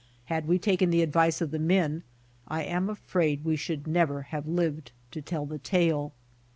Had we taken the advice of the men I am afraid we should never have lived to tell the tale.